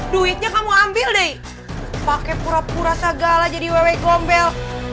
duitnya kamu ambil deh pake pura pura segala jadi wewe gombel